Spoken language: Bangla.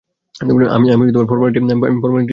আমি ফর্মালিটি শেষ করে আসছি।